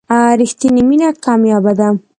رښتینې مینه کمیابه ده.